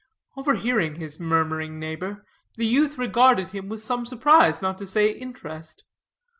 Overhearing his murmuring neighbor, the youth regarded him with some surprise, not to say interest.